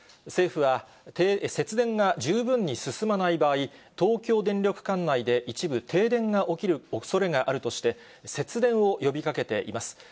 政府は、節電が十分に進まない場合、東京電力管内で一部停電が起きるおそれがあるとして、節電を呼びかけています。